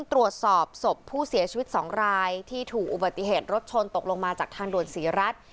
ตรวจสอบศพผู้เสียชีวิต๒รายที่ถูกอุบัติเหตุรถชนตกลงมาจากทางด่วนศรีรัฐ